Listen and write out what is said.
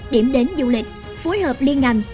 điểm đến du lịch phối hợp liên ngành